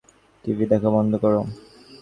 TV দেখা বন্ধ কর!